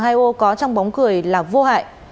n hai o có trong bóng cười là vô hại